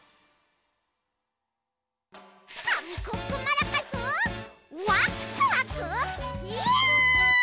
かみコップマラカスワックワクキュン！